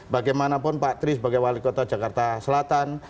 bagaimanapun pak tri sebagai wali kota jakarta selatan